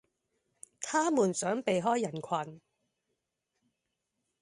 他們想避開人群